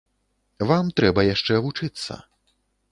Вам трэба яшчэ вучыцца.